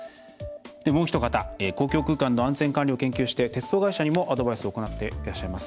もうお一方、公共空間の安全管理を研究して鉄道会社にもアドバイスを行っていらっしゃいます